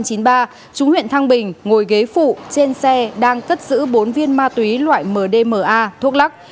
trú huyện thăng bình ngồi ghế phụ trên xe đang cất giữ bốn viên ma túy loại mdma thuốc lắc